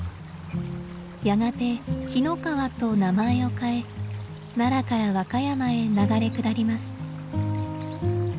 やがて紀の川と名前を変え奈良から和歌山へ流れ下ります。